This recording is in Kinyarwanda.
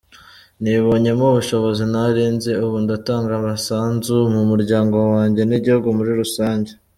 Nibonyemo ubushobozi ntari nzi, ubu ndatanga umusanzu mu muryango wanjye n’igihugu muri rusange”.